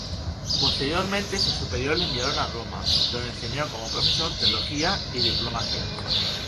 Posteriormente, sus superiores le enviaron a Roma donde enseñó como profesor teología y diplomacia.